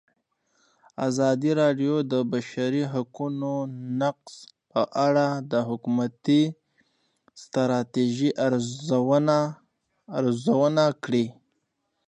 ازادي راډیو د د بشري حقونو نقض په اړه د حکومتي ستراتیژۍ ارزونه کړې.